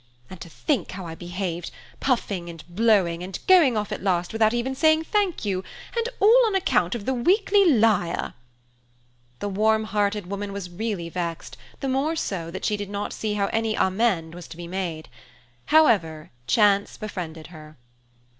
And to think how I behaved, puffing and blowing, and going off at last without even saying thank you, and all on account of the Weekly Lyre." The warm hearted woman was really vexed, the more so, that she did not see how any amende was to be made. However, chance befriended her.